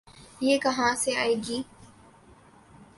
یہ کہاں سے آئے گی؟